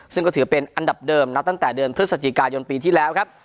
ซึ่งก็ถือเป็นอันดับเดิมนับตั้งแต่เดือนพฤศจิกายนปีที่แล้วครับ